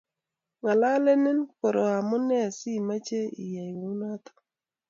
ngeng'alanen koro omunee simoche iyai kou noto